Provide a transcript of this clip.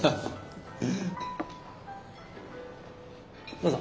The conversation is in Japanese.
どうぞ。